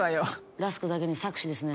ラスクだけにサクシですね。